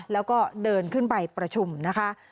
แล้วก็เดินขึ้นไปประชุมนะคะ